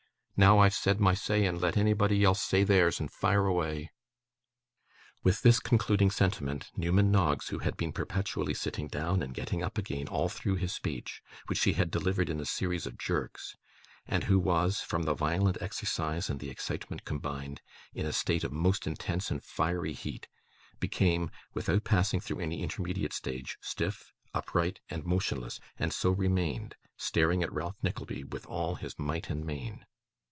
Now I've said my say, and let anybody else say theirs, and fire away!' With this concluding sentiment, Newman Noggs, who had been perpetually sitting down and getting up again all through his speech, which he had delivered in a series of jerks; and who was, from the violent exercise and the excitement combined, in a state of most intense and fiery heat; became, without passing through any intermediate stage, stiff, upright, and motionless, and so remained, staring at Ralph Nickleby with all his might and main.